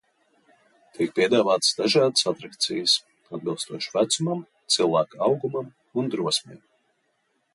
Tiek piedāvātas dažādas atrakcijas, atbilstoši vecumam, cilvēka augumam un drosmei.